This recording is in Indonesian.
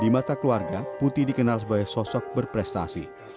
di mata keluarga putih dikenal sebagai sosok berprestasi